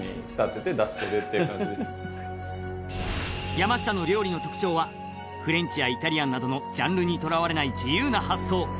山下の料理の特徴はフレンチやイタリアンなどのジャンルに囚われない自由な発想